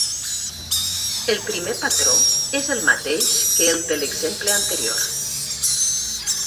El primer patró és el mateix que el de l'exemple anterior.